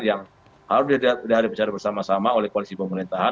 yang harus dihadapi secara bersama sama oleh koalisi pemerintahan